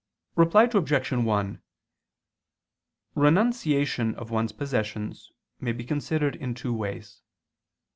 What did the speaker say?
Reply Obj. 1: Renunciation of one's possessions may be considered in two ways.